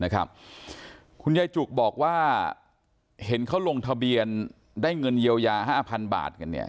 คุณยายจุกบอกว่าเห็นเขาลงทะเบียนได้เงินเยียวยา๕๐๐บาทกันเนี่ย